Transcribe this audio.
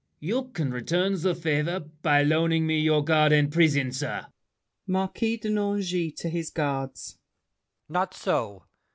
You can return the favor By loaning me your guard and prison, sir. MARQUIS DE NANGIS (to his Guards). Not so!